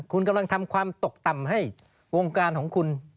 คุณกำลังทำความตกต่ำให้วงการของคุณ